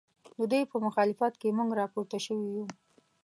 ددوی په مخالفت کې موږ راپورته شوي یو